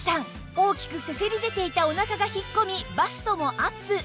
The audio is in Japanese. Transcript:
大きくせせり出ていたお腹が引っ込みバストもアップ！